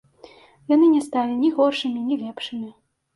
Яны не сталі ні горшымі, ні лепшымі.